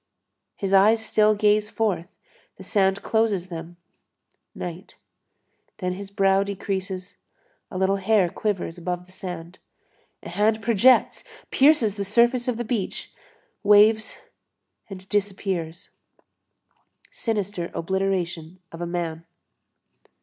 His eyes still gaze forth, the sand closes them, night. Then his brow decreases, a little hair quivers above the sand; a hand projects, pierces the surface of the beach, waves and disappears. Sinister obliteration of a man.